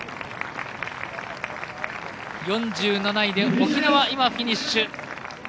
４７位で沖縄フィニッシュ。